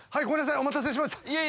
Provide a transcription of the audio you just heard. お待たせしました。